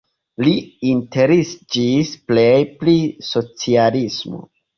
Li interesiĝis plej pri socialismo.